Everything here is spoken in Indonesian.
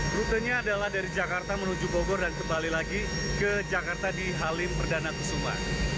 rutenya adalah dari jakarta menuju bogor dan kembali lagi ke jakarta di halim perdana kusuma